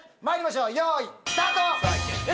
まいりましょう用意。